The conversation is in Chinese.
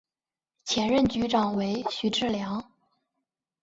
前任局长为许志梁。